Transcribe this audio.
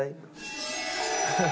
ハハハハ。